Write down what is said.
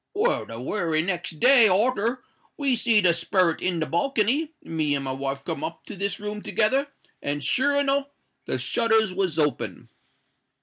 Well, the wery next day arter we see the sperret in the balcony, me and my wife come up to this room together, and sure enow the shutters was open!"